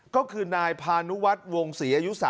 ก็คือนายพานุวัดวงศรีอายุสามสิบปี